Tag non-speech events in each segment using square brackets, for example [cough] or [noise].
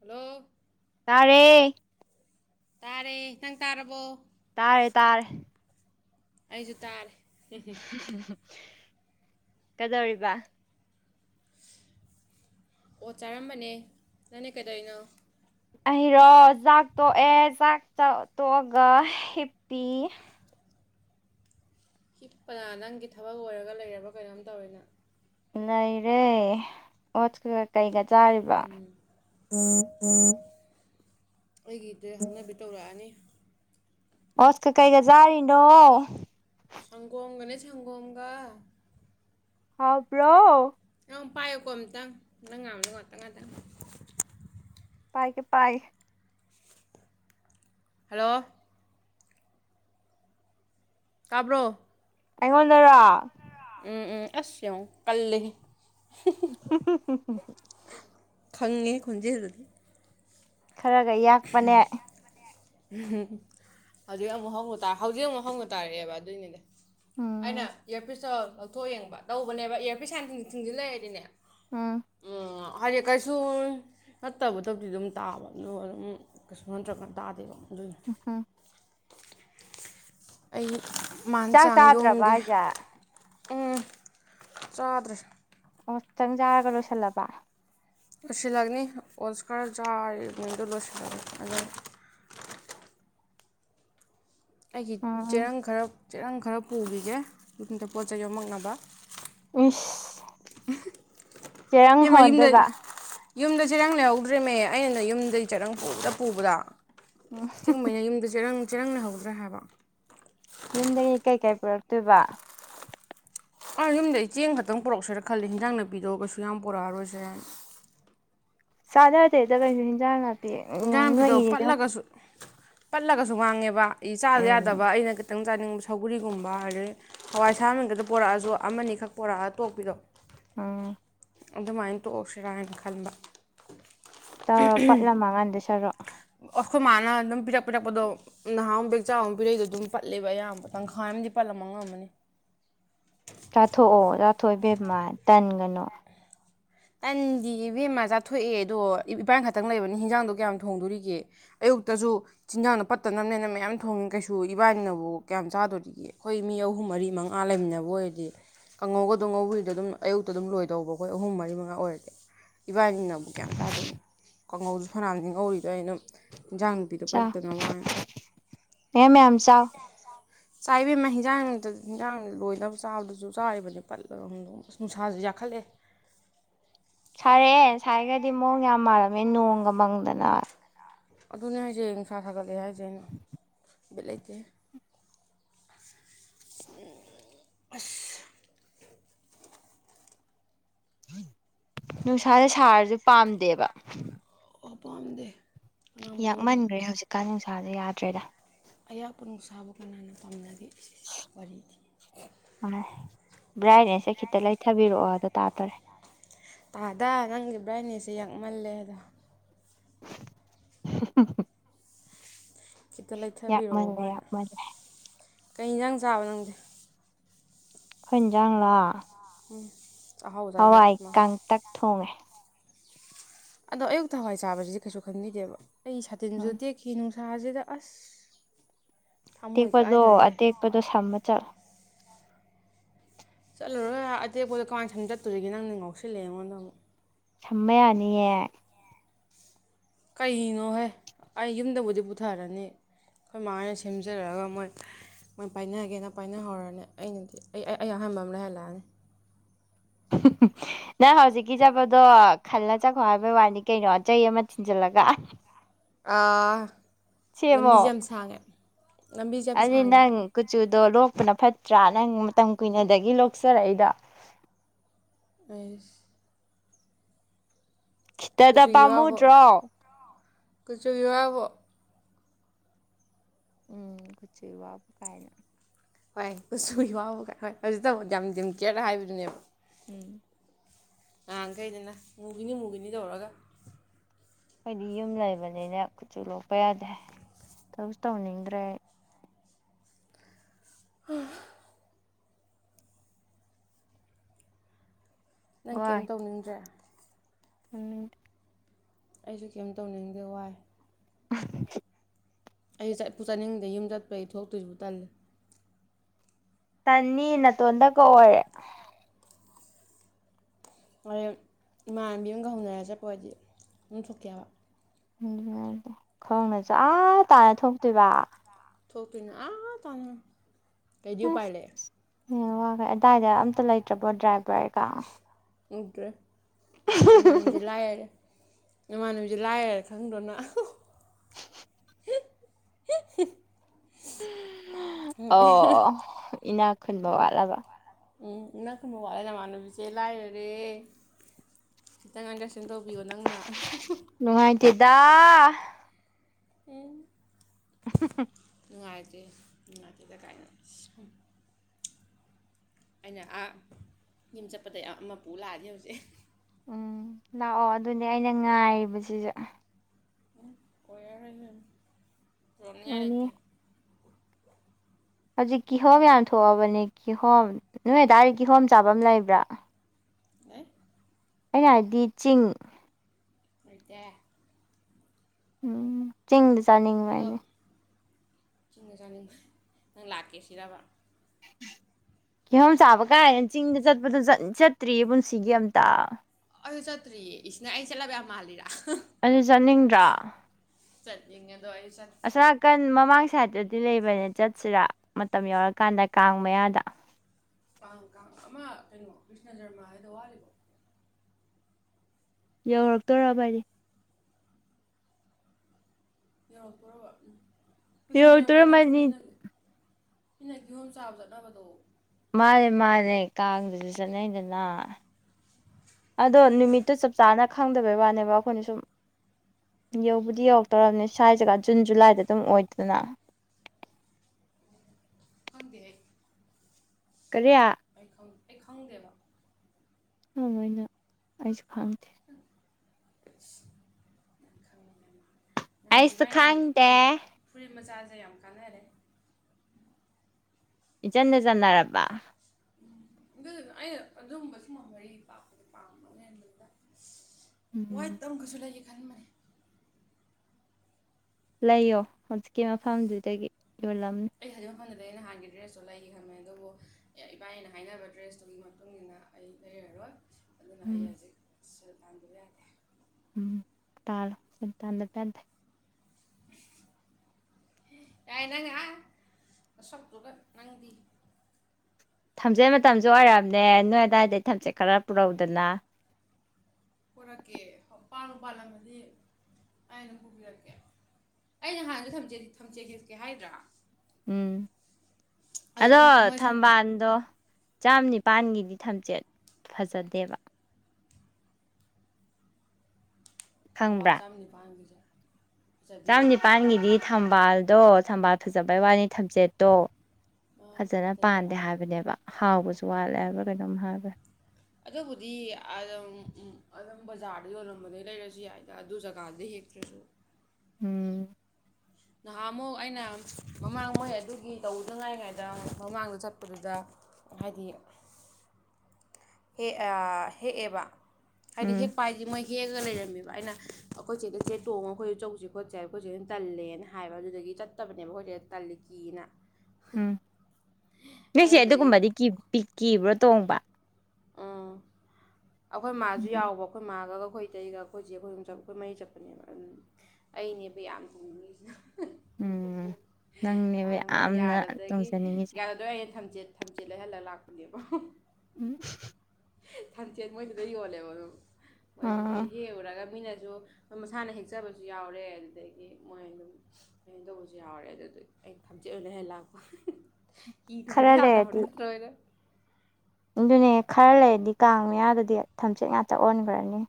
Hello. ꯇꯥꯔꯦ ꯇꯥꯔꯦ ꯅꯪ ꯇꯥꯔꯕꯣ ꯇꯥꯔꯦ-ꯇꯥꯔꯦ꯫ ꯑꯩꯁꯨ ꯇꯥꯔꯦ꯫ [unintelligible] ꯀꯩꯗꯧꯔꯤꯕ꯫ ꯑꯣꯠ ꯆꯥꯔꯝꯕꯅꯦ ꯅꯪꯅ ꯀꯩꯗꯧꯏꯅꯣ꯫ ꯑꯩꯔꯣ ꯆꯥꯛ ꯇꯣꯛꯑꯦ ꯆꯥꯛ ꯇꯣꯛꯑꯒ ꯍꯤꯞꯄꯤ ꯍꯤꯞꯄꯅ ꯅꯪꯒꯤ ꯊꯕꯛ ꯑꫭꯥꯔꯒ ꯂꯩꯔꯕꯥ ꯀꯩꯅꯣꯝ ꯇꯧꯋꯦꯅꯪ꯫ ꯂꯩꯔꯦ ꯑꯣ ꯑꯗꯨꯒ ꯀꯩꯒ ꯆꯥꯔꯤꯕ ꯑꯩꯒꯤꯗ ꯍꯩꯅꯕꯤ ꯇꯧꯔꯛꯑꯅꯤ꯫ ꯑꯣꯁꯀ ꯀꯩꯒ ꯥꯔꯤꯅꯣ ꯁꯪꯒꯣꯝꯒꯅꯦ ꯁꯪꯒꯣꯝꯒ꯫ ꯍꯥꯎꯕ꯭ꯔꯣ ꯅꯪ ꯄꯥꯏꯌꯨꯀꯣ ꯑꯃꯝꯛꯇꯪ ꯅꯪ ꯉꯥꯡꯝꯗ ꯉꯥꯛꯇꯪ ꯉꯥꯛꯇꯪ꯫ ꯄꯥꯏ ꯀ ꯄꯥꯏ ꯍꯜꯂꯣ꯫ ꯇꯥꯕ꯭ꯔꯣ꯫ ꯑꯩꯉꯣꯟꯗꯔꫭ꯫ ꯎꯝ ꯎꯝ ꯑꯁꯤꯁꯨ ꯀꯜꯂ [inaudible] ꯈꯪꯉꯦ ꯈꯣꯟꯖꯦꯜꯗꯨꯗꯤ꯫ ꯈꯔꯒ ꯌꯥꯛꯄꯅꯦ꯫ ꯍꯧꯖꯤꯛ ꯑꯃꯨꯛ ꯍ ꯍꯧꯖꯤꯛ ꯑꯃꯨꯛ ꯍꯅ ꯇꯥꯔꯛꯑꯦꯕ ꯑꯗꯨꯏꯅꯤꯅꯦ ꯑꯩꯅ ꯎꯝ ꯑꯦꯔꯄꯤꯁꯇꫭ ꯂꯧꯊꯣꯛ ꯌꯦꯡꯕ ꯇꯧꯕꯅꯦꯕ ꯑꯦꯌꯥꯔꯄꯤꯁ ꯍꯥꯟꯅ ꯊꯤꯡ ꯊꯤꯡꯖꯤꯟ ꯂꯩꯔꯗꯤꯅꯦ ꯎꯝ ꯎꯝ ꯍꯥꯏꯗꯤ ꯀꯩꯁꯨ ꯅꯠꯇꯕꯗꯧꯗꯤ ꯑꯗꯨꯝ ꯇꯥꯕ ꯗꫭ ꯑꯗꯨ ꯎꯝ ꯀ꯭ꯔꯤꯁꯃꯟꯗ꯭ꯔꯀ ꯇꯥꯗꯦꯕꯣ ꯍꯝ ꯑꯩ ꯃꯥꯟ ꯆꯥꯛ ꯆꯥꯡ ꯆꯥꯗ꯭ꯔꯕ ꯌꯣꯝꯒꯦ ꯍꯥꯏꯁꯦ꯫ ꯎꯝ ꯆꯥꯗ꯭ꯔꯦ꯫ ꯑꯣ ꯆꯪꯖꯥꯒ ꯂꯣꯏꯁꯤꯜꯂꯕ꯫ ꯂꯣꯏꯁꯤꯜꯂꯒꯅꯤ ꯑꯣꯟꯁ ꯈꯔ ꯆꯥꯔꯤꯕ ꯃꯤꯡꯗꯨ ꯂꯣꯏꯁꯤꯜꯂꯅꯤ ꯑꯗꯨ ꯑꯩꯒꯤ ꯎꯝ ꯆꯦꯔꯪ ꯈꯔ ꯆꯦꯔꯪ ꯈꯔ ꯄꯨꯈꯤꯒꯦ ꯌꯨꯝꯗ ꯄꯣꯠ ꯆꯩ ꯌꯣꯝꯃꯛꯅꯕ ꯏꯁ ꯆꯦꯔꯪ ꯏꯕꯦꯝꯃ ꯌꯨꯝꯗ ꯍꯣꯟꯗꯣꯏꯕ ꯌꯨꯝꯗ ꯆꯦꯔꯪ ꯂꯩꯍꯧꯗ꯭ꯔꯦꯃꯦ ꯑꯩꯅ ꯌꯨꯝꯗꯒꯤ ꯆꯦꯔꯪ ꯄꯨꯕꯗ ꯄꯨꯕꯗ ꯎꯝ ꯁꯤꯒꯨꯝꯕꯩꯅ ꯌꯨꯝꯗ ꯆꯦꯔꯪ ꯆꯦꯔꯪ ꯂꯩꯍꯧꯗ꯭ꯔꯦ ꯍꯥꯏꯕ ꯌꯨꯝꯗꯒꯤ ꯀꯩꯀꯩ ꯄꯨꯔꯛꯇꯣꯏꯕ ꯑꯥ ꯌꯨꯝꯗꯩꯩ ꯆꯦꯡ ꯈꯛꯇꯪ ꯄꯣꯔꯛꯁꯤꯔꯥ ꯈꯜꯂꯦ ꯍꯤꯟꯖꯥꯡ ꯅꯥꯄꯤꯗꯣ ꯀꯩꯁꯨ ꯌꯥꯝ ꯄꯣꯔꯛꯑꯔꯣꯏꯁꯤꯔꯥ ꯆꯥꯅꯗꯦꯗ ꯀꯩꯁꯨ ꯍꯤꯟꯖꯥꯡ ꯅꯥ ꯏꯟꯖꯥꯡ ꯅꯥꯄꯤꯗꯣ ꯅꯣꯏꯒꯤ ꯑꯗꯨꯝ ꯄꯠꯂꯒꯁꯨ ꯄꯠꯂꯒꯁꯨ ꯃꯥꯡꯉꯦꯕ ꯆꯥꯗ ꯎꯝ ꯌꯥꯗꯕ ꯑꯩꯅ ꯈꯤꯇꯪ ꯆꯥꯅꯤꯡꯕ ꯁꯧꯒ꯭ꯔꯤꯒꯨꯝꯕ ꯑꯗꯩ ꯍꯋꯥꯏ ꯑꯁꯥꯪꯕꯤꯒꯗꯣ ꯄꯣꯔꯛꯑꯁꯨ ꯑꯃꯅꯤꯈꯛ ꯄꯣꯔꯛꯑꯒ ꯇꯣꯛꯄꯤꯗꯣ ꯎꯝ ꯑꯗꯨꯃꯥꯏꯅ ꯇꯣꯛꯑꯁꯤꯔꯥ ꯍꯥꯏꯅ ꯈꯟꯕ ꯇꯧꯔꯣ ꯄꯠꯂ ꯃꯥꯡꯍꯟꯗꯨꯏ ꯁꯔꯨꯛ ꯑꯩꯈꯣꯏ ꯃꯥꯅ ꯑꯗꯨꯝ ꯄꯤꯔꯛ ꯄꯤꯔꯛꯄꯗꯣ ꯅꯍꯥꯟꯃꯨꯛ ꯕꯦꯛꯆꯥꯎ ꯑꯃ ꯄꯤꯔꯛꯏꯗꯣ ꯑꯗꯨꯝ ꯄꯠꯂꯦꯕ ꯑꯌꯥꯝꯕ ꯇꯪꯈꯥꯏ ꯑꯃꯗꯤ ꯄꯠꯂ ꯃꯥꯡꯉꯝꯃꯅꯤ ꯆꯥꯊꯣꯛꯑꯣ ꯊꯣ ꯏꯕꯦꯝꯃ ꯇꯟꯒꯅꯣ ꯇꯟꯗꯤ ꯕꯦꯝꯃ ꯆꯥꯊꯣꯛꯑꯦ ꯑꯗꯣ ꯏꯕꯥꯏꯟ ꯈꯛꯇꯪ ꯂꯩꯕꯅꯤ ꯍꯤꯟꯖꯥꯡꯗꯣ ꯀꯌꯥꯝ ꯊꯣꯡꯗꯣꯔꯤꯒꯦ ꯑꯌꯨꯛꯇꯁꯨ ꯏꯟꯖꯥꯡꯗꯣ ꯄꯠꯇꯅꯕꯅꯦꯅ ꯃꯌꯥꯝ ꯊꯣꯡꯉꯦ ꯀꯩꯁꯨ ꯏꯕꯥꯅꯤꯅꯕꯨ ꯀꯌꯥꯝ ꯆꯥꯗꯣꯔꯤꯒꯦ ꯑꯩꯈꯣꯏ ꯃꯤ ꯑꯍꯨꯝ ꯃꯔꯤ ꯃꯉꯥ ꯂꯩꯃꯤꯟꯅꯕ ꯑꯣꯏꯔꯗꯤ ꯀꯥꯡꯉꯧꯒꯗꯣ ꯉꯧꯕꯗ ꯑꯗꯨꯝ ꯑꯌꯨꯛꯇ ꯑꯗꯨꯝ ꯂꯣꯏꯗꯧꯕ ꯑꯩꯈꯣꯏ ꯑꯍꯨꯝ ꯃꯔꯤ ꯃꯉꯥ ꯏꯕꯥꯏꯅꯤꯅꯕꯨ ꯀꯌꯥꯝ ꯆꯥꯗꯣꯏꯅꯣ ꯀꯥꯡꯍꯧꯁꯨ ꯐꯅꯌꯥꯝꯅꯦ ꯉꯧꯔꯤꯗꯣ ꯑꯩꯅ ꯏꯟꯖꯥꯡ ꯅꯨꯄꯤꯗꯣ ꯆꯥꯎ ꯄꯠꯇꯅꯕ ꯋꯥꯅ ꯃꯌꯥꯝ ꯃꯌꯥꯝ ꯆꯥꯎ ꯆꯥꯏ ꯏꯕꯦꯃ ꯍꯤꯟꯖꯥꯡꯗ ꯍꯤꯟꯖꯥꯡ ꯂꯣꯏꯅꯕ ꯆꯥꯕꯗꯁꯨ ꯆꯥꯔꯤꯕꯅꯤ ꯄꯠꯂ [unintelligible] ꯑꯁ ꯅꯨꯡꯁꯥꯁꯨ ꯌꯥꯛꯈꯠꯂꯛꯑꯦ ꯁꯥꯔꯛꯑꯦ ꯉꯥꯁꯥꯏꯒꯗꯤ ꯃꯑꯣꯡ ꯌꯥꯝ ꯃꯥꯜꯂꯝꯃꯦ ꯅꯣꯡꯒ ꯃꯪꯗꯅ ꯑꯗꯨꯅꯦ ꯍꯥꯏꯁꯦ ꯅꯨꯡꯁꯥ ꯁꯥꯒꯠꯂꯛꯑꯦ ꯍꯥꯏꯁꯦ ꯑꯩꯅ ꯕꯤꯠ ꯂꯩꯇꯦ ꯑꯁ [inaudible] ꯅꯨꯡꯁꯥꯥꯁꯦ ꯁꯥꯔꯁꯨ ꯄꯥꯝꯗꯦꯕ ꯄꯥꯝꯗꯦ ꯀꯅꯥꯝ ꯄꯥꯝꯒꯦ ꯌꯥꯛꯃꯟꯈ꯭ꯔꯦ ꯍꯧꯖꯤꯛꯀꯥꯟ ꯅꯨꯡꯁꯥꯥꯁꯦ ꯌꯥꯗꯦ ꯇ꯭ꯔꯦꯗ ꯑꯌꯥꯛꯄ ꯅꯨꯡꯁꯥꯕꯨ ꯀꯅꯥꯅ ꯄꯥꯝꯅꯒꯦ ꯏꯁ ꯏꯁ ꯋꯥꯔꯤꯗꯤ ꯕ꯭ꯔꯥꯏꯠꯅꯦꯁꯁꯦ ꯈꯤꯇ ꯂꯩꯊꯕꯤꯔꯛꯑꯣ ꯍꯥꯏꯗꯣ ꯇꯥꯗꯣꯔꯦ ꯇꯥꯗ ꯅꯪꯒꯤ ꯕ꯭ꯔꯥꯏꯠꯅꯦꯁꯁꯦ ꯌꯥꯛꯃꯜꯂꯦ ꯑꯗꯣ ꯈꯤꯇ ꯌꯥꯛꯃꯜꯂꯦ ꯂꯩꯊꯕꯤꯔꯛꯑꯣꯕꯥꯅ ꯌꯥꯛꯃꯜꯂꯦ ꯀꯩ ꯌꯦꯟꯁꯥꯡ ꯆꯥꯕ ꯅꯪꯗꯤ ꯈꯣꯏ ꯏꯟꯖꯥꯡꯂꯥ ꯎꯝ ꯍꯋꯥꯏ ꯀꯥꯡꯇꯛ ꯊꯣꯡꯉꯦ ꯑꯗꯣ ꯑꯌꯨꯛꯇ ꯍꯋꯥꯏ ꯆꯥꯕꯁꯤꯗꯤ ꯀꯩꯁꯨ ꯈꯟꯕꯤꯗꯦꯕ ꯑꯩ ꯁꯥꯇꯤꯟꯁꯨ ꯎꯝ ꯇꯦꯛꯈꯤ ꯅꯨꯡ ꯁꯥꯖꯤꯗ ꯑꯁ ꯊꯃꯣꯏ ꯑꯇꯦꯛꯄꯗꯣ ꯀꯥꯏꯗꯣꯔꯦꯍꯦ ꯑꯇꯦꯛꯄꯗꯣ ꯁꯝꯃ ꯆꯠꯂꯣ ꯆꯠꯂꯔꯣꯏ ꯑꯇꯦꯛꯄꯣꯗ ꯀꯃꯥꯏꯅ ꯁꯝꯃ ꯆꯠꯇꯣꯏꯒꯦ ꯅꯪꯅ ꯉꯥꯎꯁꯤꯜꯂꯛꯑꯦ ꯑꯩꯉꯣꯟꯗ ꯑꯃꯨꯛ ꯁꯝꯕ ꯌꯥꯅꯤꯌꯦ ꯀꯔꯤꯅꯣꯍꯣꯏ ꯑꯩ ꯌꯨꯝꯗꯕꯨꯗꯤ ꯄꯨꯊꯔꯅꯤ ꯑꯩꯈꯣꯏ ꯃꯥꯃꯅ ꯁꯦꯝꯖꯔꯒ ꯃꯣꯏ ꯃꯣꯏ ꯄꯥꯏꯅꯒꯦꯅ ꯄꯥꯏꯅꯍꯧꯔꯅꯤ ꯑꯩꯅꯗꯤ ꯑꯩ ꯑꯩ ꯑꯍꯟꯕ ꯑꯃ ꯂꯩꯍꯜꯂꯛꯑꯅꯤ ꯅꯪ ꯍꯧꯖꯤꯛꯀꯤ ꯆꯠꯄꯗꯣ ꯈꯜꯂ ꯆꯠꯈꯣ ꯍꯥꯏꯕꯩ ꯋꯥꯅꯤ ꯀꯩꯅꯣ ꯆꯩ ꯑꯃ ꯊꯤꯟꯖꯤꯜꯂꯒ ꯑꯥ ꯁꯦꯝꯃꯣ ꯂꯝꯕꯤꯁꯦ ꯌꯥꯝ ꯁꯥꯡꯉꯦ ꯂꯝꯕꯤꯁꯦ ꯌꯥꯝ ꯁꯥꯡꯉꯦ ꯗꯣ ꯂꯣꯛꯄꯅ ꯐꯠꯇ꯭ꯔꯥ ꯅꯪ ꯃꯇꯝ ꯀꯨꯏꯅꯗꯒꯤ ꯂꯣꯛꯆꯔꯛꯏꯗꯣ ꯑꯩ ꯈꯤꯇꯗ ꯀꯨꯆꯨꯒꯤ ꯋꯥꯕꯨ ꯄꯥꯝꯃꯨꯗ꯭ꯔꯣ ꯀꯨꯆꯨꯒꯤ ꯋꯥꯕꯨ ꯎꯝ ꯀꯨꯆꯨꯒꯤ ꯋꯥꯕꯨ ꯀꯥꯏꯅ ꯍꯣꯏ ꯀꯨꯆꯨꯒꯤ ꯋꯥꯕꯨ ꯍꯣꯏ ꯍꯧꯖꯤꯛꯇꯕꯨ ꯌꯥꯝ ꯗꯦꯝ ꯀꯦꯔꯗ ꯍꯥꯏꯕꯗꯨꯅꯦꯕ ꯎꯝ ꯅꯍꯥꯟꯈꯩꯗꯅ ꯃꯨꯒꯤꯅꯤ ꯃꯨꯒꯤꯅꯤ ꯇꯧꯔꯒ ꯑꯩꯗꯤ ꯌꯨꯝ ꯂꯩꯕꯅꯤꯅ ꯀꯨꯆꯨ ꯂꯣꯛꯄ ꯌꯥꯗꯦ ꯇꯧꯁꯨ ꯇꯧꯅꯤꯡꯗ꯭ꯔꯦ ꯅꯪ ꯀꯩꯝ ꯇꯧꯅꯤꯡꯗ꯭ꯔꯦ ꯑ ꯑꯩꯁꯨ ꯀꯩꯝ ꯇꯧꯅꯤꯡꯗꯦ ꯋꯥꯏ ꯑ ꯑꯩ ꯆꯠꯄꯨ ꯆꯠꯅꯤꯡꯗꯦ ꯌꯨꯝ ꯆꯠꯄꯒꯤ ꯊꯣꯛꯇꯣꯏꯕꯨ ꯇꯜꯂꯦ ꯇꯟꯅꯤ ꯅꯇꯣꯟꯗꯀ ꯑꯣꯏꯔꯦ ꯑ ꯏꯃꯥꯟꯅꯕꯤ ꯑꯃꯒ ꯍꯧꯅꯔꯒ ꯆꯠꯄ ꯑꯣꯏꯗꯤ ꯑꯗꯨꯝ ꯊꯣꯛꯈꯤ ꯌꯥꯕ ꯎꯝ ꯈꯣꯡꯅꯖꯨ ꯑꯥ ꯇꯥꯟꯅ ꯊꯣꯛꯇꯣꯏꯕ ꯊꯣꯛꯇꯣꯏꯅꯦ ꯑꯥ ꯇꯥꯟꯅ ꯀꯩꯗꯤ ꯎꯄꯥꯏ ꯂꯩ ꯎ ꯋꯥꯈꯩ ꯑꯗꯥꯏꯗ ꯑꯝꯇ ꯂꯩꯇ꯭ꯔꯕꯣ ꯗ꯭ꯔꯥꯏꯚ ꯕꯔꯒ [unintelligible] ꯅꯃꯥꯟꯅꯕꯤꯖꯦ ꯂꯥꯏꯔꯔꯦ ꯅꯃꯥꯟꯅꯕꯤꯁꯦ ꯂꯥꯏꯔꯔꯦ ꯈꯪꯗ꯭ꯔꯣ ꯅꯪ [inaudible] [inaudible] ꯑꯣ ꯏꯅꯥ ꯈꯨꯟꯕ ꯋꯥꯠꯂꯕ꯫ ꯏ ꯅ ꯈ ꯃꯀꯦ ꯃꯅꯦ ꯆꯦ ꯂꯥꯑꯔꯦ ꯈꯤꯇꯪ ꯑꯥꯏꯀꯦꯁꯟ ꯇꯧꯕꯤꯌꯣ ꯅꯪꯅ ꯇꯗ ꯏ ꯅꯨꯡꯉꯥꯏ ꯉꯜꯂꯤꯗꯗ ꯀꯥꯏꯅ ꯑꯩꯅꯥ ꯑꯥ ꯌꯨꯝ ꯆꯠꯄꯗ ꯑꯃ ꯄꯨ ꯂꯥꯛꯑꯗꯤ ꯍꯧꯖꯤꯛ꯫ ꯎꯝ ꯂꯥꯛꯑꯣ ꯑꯗꯨꯅꯦ ꯑꯩꯅ ꯉꯥꯏꯔꯤꯕꯁꯤꯁꯨ꯫ ꯀꯣꯏꯌꯥꯔ ꯂꯩ ꯑꯣꯏꯅꯤ ꯍꯧꯖꯤꯛ ꯀꯤꯍꯣꯝ ꯌꯥꯝ ꯊꯣꯛꯑꯕꯅꯦ ꯀꯤꯍꯣꯝ ꯅꯣꯏꯃꯤ ꯑꯗꯨꯗꯥꯋꯥꯏꯗ ꯀꯤꯍꯣꯝ ꯆꯥꯐꯝ ꯂꯩꯕ꯭ꯔꯥ ꯂꯩ ꯑꯩꯅ ꯍꯥꯏꯗꯤ ꯆꯤꯡ ꯃꯗ ꯎꯝ ꯆꯂꯤ ꯆꯅꯤꯡ ꯃꯅꯦ ꯆꯤꯡꯅ ꯆꯥꯅꯤꯡꯕ ꯅꯪ ꯂꯥꯛꯀꯦ ꯁꯤꯔꯕ ꯀꯤꯍꯣꯝ ꯆꯥꯕ ꯀꯥꯏꯦ ꯆꯤꯡꯗ ꯆꯠꯄꯗ ꯆꯠꯇ꯭ꯔꯤꯌꯦ ꯄꯨꯟꯁꯤꯒꯤ ꯑꯝꯇ ꯑꯩꯁꯨ ꯆꯠꯇ꯭ꯔꯤꯌꯦ ꯏꯁ ꯅꯪ ꯑꯩ ꯆꯠꯂꯕ ꯌꯥꯝ ꯃꯥꯜꯂꯤꯔꯥ꯫ ꯑꯗꯨ ꯆꯠꯅꯤꯡꯗ꯭ꯔꯥ ꯆꯠꯅꯤꯡꯉꯦ ꯑꯗꯣ ꯑꯩ ꯆꯠꯇ꯭ꯔꯤ ꯑꯁꯀꯟ ꯃꯃꯥꯡ ꯁꯥꯏꯠꯗꯗꯤ ꯂꯩꯕꯅꯦ ꯆꯠꯁꯤꯔꯥ ꯃꯇꯝ ꯌꯧꯔꯀꯥꯟꯗ ꯀꯥꯡ ꯃꯌꯥꯗ꯫ ꯑ ꯀꯥꯃ ꯀꯩꯅꯣ ꯀ꯭ꯁꯅꯖꯔꯃ ꯑꯦꯗꯣ ꯋꯥꯂꯤꯕꯣ ꯌꯧꯔꯛꯇꯣꯏꯣꯔ ꯕꯥ ꯍꯥꯏꯗꯤ꯫ ꯑ ꯄꯨ꯭ꯔꯣ ꯎ ꯀꯗꯔꯃꯗꯅ ꯌꯧꯔꯛꯇꯣꯔꯃꯅꯤ ꯇ꯭ꯔꯨꯃꯤꯅꯂꯦ ꯑꯩꯅ ꯀꯤꯌꯣꯝ ꯆꯥꯕ ꯆꯠꯅꯕꯗꯣ꯫ ꯃꯥꯅꯦ ꯃꯥꯅꯦ ꯀꯥꯡꯗꯁꯨ ꯆꯠꯅꯩꯗꯅ ꯑꯗꯣ ꯅꯨꯃꯤꯠꯇꯨ ꯆꯞ ꯆꯥꯅ ꯈꯪꯗꯕꯩ ꯋꯥꯅꯦꯕ ꯑꯩꯈꯣꯏꯅ ꯁꯨꯝ ꯌꯧꯕꯗꯤ ꯌꯧꯔꯛꯇꯧꯔꯕꯅꯤ ꯁ꯭ꯋꯥꯏ ꯖꯒꯥ ꯖꯨꯟ ꯖꯨꯂꯥꯏꯗ ꯑꯗꯨꯝ ꯑꯣꯏꯗꯅ ꯍꯗꯦ ꯀꯔꯤ ꯑꯩ ꯑꯩ ꯈꯪꯗꯦꯕ ꯑꯪ ꯑꯣꯏꯅ ꯑꯩꯁꯨ ꯐꯪꯉꯦ [unintelligible] ꯅꯍꯥꯟ ꯑꯩꯁꯨ ꯏꯕꯥꯏꯅ ꯂꯩꯕ ꯈꯪꯗꯦ ꯐꯨꯔꯤꯜ ꯐꯨꯔꯤꯜ ꯃꯆꯥꯁꯤ ꯌꯥꯝ ꯀꯥꯟꯔꯦ ꯏꯆꯟꯅ ꯆꯟꯅꯔꯕ꯫ ꯎꯝ ꯑꯗꯨꯗꯨꯅ ꯑꯩꯅ ꯑꯗꯨꯝꯕ ꯁꯨꯝꯕ ꯃꯩ ꯄꯥꯛꯄ ꯄꯥꯝꯕ ꯃꯗ ꯋꯥ ꯎꯝ ꯇꯝ ꯀꯁꯨ ꯂꯩ ꯜꯃ ꯂꯩꯌꯣ ꯍꯧꯖꯤꯛꯀꯤ ꯃꯐꯝꯗꯨꯗꯒꯤ ꯝ ꯃꯗꯩꯅ ꯅꯍꯥꯟꯒꯤ ꯗ꯭ꯔꯦꯁꯇꯣ ꯂꯩꯒ ꯈꯟꯕ ꯑꯗꯨꯕꯨ ꯏꯄꯥ ꯏ ꯑꯩꯅ ꯍꯥꯏꯅꯕ ꯗ꯭ꯔꯦꯁꯇꯨꯒꯤ ꯃꯇꯨꯡ ꯏꯟꯅ ꯑꯩ ꯂꯩꯔꯔꯣꯏ ꯎꯝ ꯁ꯭ꯔꯗꯥꯥꯟꯖꯂꯦ ꯇꯜ ꯆ ꯇꯥꯟꯗ ꯄꯦꯟꯗ ꯌꯥꯏꯅꯉ ꯁꯛꯇꯣꯒ ꯅꯪꯗꯤ ꯊꯝꯖꯩ ꯃꯇꯝꯁꯨ ꯑꯣꯏꯔꯝꯅꯦ ꯅꯣꯏ ꯑꯗꯨꯋꯥꯏꯗꯩ ꯊꯝꯆꯦꯠ ꯈꯔ ꯄꯨꯔꯧꯗꯅ ꯄꯣꯔꯛꯀꯦ ꯄꯥꯜꯂꯨ ꯄꯥꯜꯂꯝꯃꯗꯤ ꯑꯩꯅ ꯄꯨꯕꯤꯔꯛꯀꯦ ꯑꯩꯅ ꯍꯥꯟꯅꯁꯨ ꯊꯝꯖ ꯍꯦꯞꯀꯦ ꯍꯥꯏꯗ꯭ꯔꯥ ꯎꯝ ꯑꯗꯨꯅ ꯑꯗꯣ ꯃꯣꯏ ꯃꯣꯏ ꯁꯠ ꯊꯝꯕꯥꯜꯗꯣ ꯆꯥꯝ ꯅꯤꯄꯥꯜꯒꯤꯗꯤ ꯊꯝꯆꯦꯠ ꯐꯖꯗꯦꯕ ꯊꯕꯥ ꯆꯥꯝ ꯅꯤꯄꯥꯥꯟꯒꯤꯁꯦ ꯆꯝꯅꯤ ꯄꯥꯟꯒꯤꯗꯤ ꯊꯝꯕꯥꯜꯗꯣ ꯊꯝꯕꯥꯜ ꯐꯖꯕꯩ ꯋꯥꯅꯤ ꯊꯝꯖꯦꯠꯇꯣ ꯐꯖꯅ ꯐꯖꯗꯦꯕ ꯄꯥꯟꯗꯦ ꯍꯥꯏꯕꯅꯦꯕ ꯍꯥꯎꯕꯁꯨ ꯋꯥꯠꯂꯦ ꯍꯥꯏꯕ꯭ꯔꯥ ꯀꯩꯅꯣꯝ ꯍꯥꯏꯕ꯭ꯔꯦ ꯑꯗꯨꯕꯨꯗꯤ ꯑꯗꯨꯝ ꯑꯗꯨꯝ ꯕꯖꯥꯔꯗ ꯌꯣꯟꯜꯂꯝꯝꯕꯗꯒꯤꯩ ꯂꯩꯔꯁꯨ ꯌꯥꯏꯗ ꯑꯗꯨ ꯖꯒꯥꯗ ꯍꯦꯛꯇ꯭ꯔꯁꯨ ꯎꯝ ꯅꯍꯥꯃꯨꯛ ꯑꯩꯅ ꯃꯃꯥꯡꯉꯩ ꯑꯗꯨꯒꯤ ꯇꯧꯗꯉꯥꯏꯉꯩꯗ ꯃꯃꯥꯡꯗ ꯆꯠꯄꯗꯨꯗ ꯍꯥꯏꯗꯤ ꯍꯦ ꯍꯦ ꯑꯣꯏ ꯑꯗꯤ ꯎꯝ ꯍꯦꯛ ꯄꯥꯏꯝꯩ ꯍꯦꯛꯑꯒ ꯂꯩꯔꯝꯃꯦꯕ ꯑꯩꯅ ꯑꯩꯈꯣꯏ ꯆꯦꯗ ꯆꯦ ꯇꯣꯡꯉꯒ ꯑꯩꯈꯣꯏ ꯆꯧꯁꯦ ꯈꯣꯠꯁꯦ ꯍꯥꯏꯕ ꯑꯩꯈꯣꯏ ꯆꯦꯗꯅ ꯇꯜꯂꯦꯅ ꯍꯥꯏꯕ ꯑꯗꯨꯗꯒꯤ ꯆꯠꯇꯕꯅꯦꯕ ꯑꯩꯈꯣꯏ ꯆꯦꯗ ꯇꯜꯂꯤ ꯀꯤꯅ ꯎꯝ ꯅꯣꯏꯁꯦ ꯑꯗꯨꯗꯒꯤ ꯑꯗꯨꯒꯨꯝꯕꯗꯤ ꯄꯤ ꯀꯕ꯭ꯔꯣ ꯇꯣꯡꯕ ꯑꯥ ꯑꯩꯈꯣꯏ ꯃꯥꯁꯨ ꯌꯥꯎꯕ ꯑꯩꯈꯣꯏ ꯃꯥꯒ ꯑꯩꯈꯣꯏꯇꯩꯒ ꯑꯩꯈꯣꯏꯁꯦ ꯑꯩꯈꯣꯏꯗꯝ ꯆꯠꯄ ꯑꯩꯈꯣꯏ ꯃꯔꯤ ꯆꯠꯄꯅꯦꯕ ꯑꯗꯨꯝ ꯑꯩꯅꯦꯕ ꯌꯥꯝ ꯆꯉꯤꯁꯤ ꯎꯝ ꯅꯪꯅꯦꯕ ꯃꯣꯏꯅ ꯌꯥꯝꯅ ꯇꯣꯡꯖꯅꯤꯡꯉꯤꯁꯦ ꯊꯝꯆꯦ ꯂꯩꯍꯜꯂꯒ ꯂꯥꯛꯄꯅꯦꯕ ꯎꯝ ꯊꯝꯨ ꯦꯛ ꯃꯣꯏꯗꯤꯗ ꯋꯥꯣꯂꯦꯕꯣ [unintelligible] ꯑꯥ ꯍꯦꯛꯎꯨꯔꯒ ꯃꯤꯅ ꯑꯗꯨ ꯃꯁꯥꯅ ꯍꯦꯛꯆꯕꯁꯨ ꯌꯥꯎꯔꯦ ꯑꯗꯨꯗꯒꯤ ꯃꯣꯏ ꯑꯗꯨꯝ ꯀꯃꯩꯅꯅ ꯇꯧꯕꯁꯨ ꯌꯥꯎꯔꯦ ꯑꯗꯨꯗ ꯑ ꯊꯝꯖꯦꯠ ꯑꯣꯏꯅ ꯍꯦꯛ ꯂꯥꯛꯄ ꯏ ꯈꯔ ꯇꯖꯤꯦ ꯌꯥꯗ ꯂꯩꯔꯗꯤ ꯍꯧꯅ ꯇꯣꯏꯔ ꯑꯗꯨꯅꯦ ꯈꯔ ꯂꯩꯔꯗꯤ ꯀꯥꯡ ꯃꯌꯥꯗꯨꯗꯤ ꯊꯝꯆꯦꯠ ꯉꯥꯛꯇ ꯑꯣꯟꯈ꯭ꯔꯅꯤ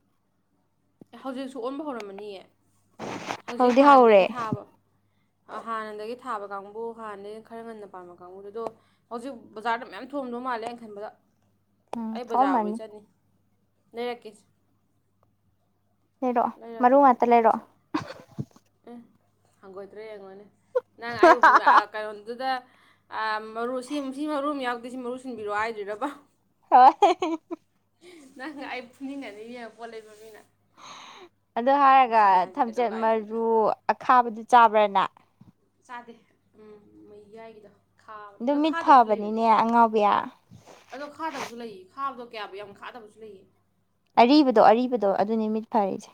ꯑꯦ ꯍꯧꯖꯤꯛꯁꯨ ꯑꯣꯟꯕ ꯍꯧꯔꯝꯃꯅꯤꯌꯦ ꯍꯧꯖꯤꯛ ꯍꯧꯗꯤ ꯍꯧꯔꯦ ꯍꯥꯟꯅꯗꯒꯤ ꯊꯥꯕ ꯍꯥꯟꯅꯗꯒꯤ ꯊꯥꯕ ꯀꯥꯡꯕꯨ ꯍꯥꯟꯅꯗꯒꯤ ꯈꯔ ꯉꯟꯅ ꯄꯥꯟꯕꯥꯝꯕ ꯀꯥꯡꯕꯨꯗꯨ ꯑꯗꯣ ꯍꯧꯖꯤꯛ ꯕꯖꯥꯔꯗ ꯃꯌꯥꯝ ꯊꯣꯝꯗꯧ ꯃꯥꯜꯂꯦ ꯑꯩꯅ ꯈꯟꯕꯗ ꯎꯝ ꯑꯩ ꯖꯥ ꯊꯣꯛꯑꯝꯃꯅꯤ ꯆꯅꯤ ꯅꯔ ꯀꯁ ꯂꯩꯔꯛꯑꯣ ꯃꯔꯨ ꯂꯩꯔꯀꯦꯗꯨ ꯉꯥꯛꯇ ꯂꯩꯔꯛꯑꯣ ꯆ ꯎ ꯍꯪꯒꯣꯏꯇ꯭ꯔꯦ ꯌꯦꯡꯉꯣꯟꯅꯦ ꯅꯪ ꯑꯩ ꯀꯩꯅꯣꯗꯨꯗ ꯎꯝ ꯃꯔꯨ ꯁꯤ ꯁꯤ ꯃꯔꯨꯝ ꯌꯥꯛ ꯑꯗꯨ ꯁꯤ ꯃꯔꯨ ꯁꯤꯟꯕꯤꯔꯣ ꯍꯥꯏꯗꯣꯏꯔꯕ [inaudible] ꯅꯪ ꯑꯩ ꯄꯨꯅꯤꯡꯉꯅꯤ ꯌꯦꯡꯉ ꯄꯣꯠ ꯂꯩꯕ ꯃꯤꯅ ꯎ [inaudible] [inaudible] ꯑꯗꯨ ꯍꯥꯏꯔꯒ ꯃꯁꯤ ꯑꯉꯥꯡꯁꯦ ꯀꯩꯗꯧ ꯊꯝꯆꯦꯠ ꯂꯥꯛꯏꯅꯣꯅ ꯃꯔꯨ ꯑꯈꯥꯕꯗꯨ ꯆꯥꯕ ꯕꯥꯏ ꯅꯥꯏꯠ ꯆꯥꯗꯦ ꯎꯝ ꯃꯩ ꯌꯥꯏꯒꯤꯗꯣ ꯈꯥ ꯑꯗꯨ ꯃꯤꯠ ꯈꯥꯗꯕꯁꯨ ꯂꯩꯕꯅꯦ ꯐꯕꯅꯤꯅꯦ ꯑꯉꯥꯎꯕꯤꯌꯥ ꯑꯗꯣ ꯈꯥꯗꯕꯁꯨ ꯂꯩ ꯐꯥꯕꯗꯣ ꯀꯌꯥꯕꯨ ꯌꯥꯝ ꯐꯥꯗꯕꯁꯨ ꯂꯩꯌꯦ ꯑꯔꯤꯕꯗꯣ ꯑꯔꯤꯕꯗꯣ ꯑꯗꯨꯅꯤ ꯃꯤꯠ ꯐꯔꯛꯁꯦ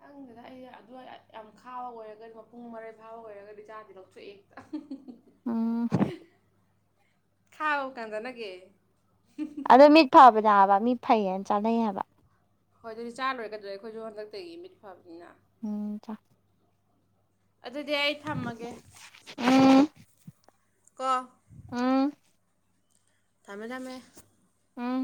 ꯅꯪꯁꯤꯗ ꯑꯩ ꯑꯗꯨ ꯌꯥꯝ ꯈꯥꯕ ꯑꯣꯏꯔꯒꯗꯤ ꯃꯄꯨꯡ ꯃꯔꯩ ꯐꯥꯕ ꯑꯣꯏꯔꯒꯗꯤ ꯆꯥꯗꯤ ꯂꯧꯊꯣꯛꯑꯦ ꯍꯦꯛꯇ ꯎꯝ ꯈꯥꯎꯥꯎ ꯀꯥꯟꯗ ꯅꯒꯦ ꯑꯗ ꯃꯤ ꯐꯥꯕ ꯌꯥꯕ ꯃꯤ ꯐꯩꯌꯦꯅ ꯆꯥꯅꯩꯌꯦꯕ ꯍꯣꯏ ꯑꯗꯨꯗꯤ ꯆꯥꯔꯨꯔꯦꯒꯗ꯭ꯔꯦ ꯑꯩꯈꯣꯏꯁꯨ ꯍꯟꯗꯛꯇꯒꯤ ꯃꯤꯠ ꯐꯕꯅꯤꯅ ꯎꯝꯇ ꯑꯗꯨꯗꯤ ꯑꯩ ꯊꯝꯃꯒꯦ ꯎꯝ ꯀꯣ ꯎꯝ ꯇꯃꯦꯡꯂꯃꯦ ꯎꯝ